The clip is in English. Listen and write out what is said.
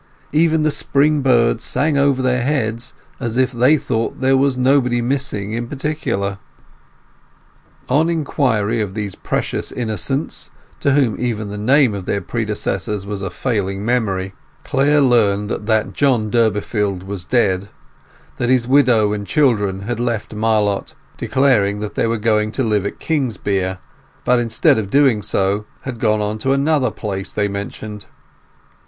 Even the spring birds sang over their heads as if they thought there was nobody missing in particular. On inquiry of these precious innocents, to whom even the name of their predecessors was a failing memory, Clare learned that John Durbeyfield was dead; that his widow and children had left Marlott, declaring that they were going to live at Kingsbere, but instead of doing so had gone on to another place they mentioned.